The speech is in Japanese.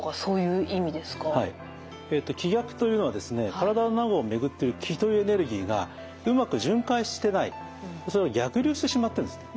体の中を巡ってる気というエネルギーがうまく巡回してない逆流してしまってるんですね。